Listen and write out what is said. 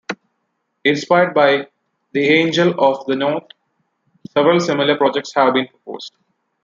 Inspired by the "Angel of the North", several similar projects have been proposed.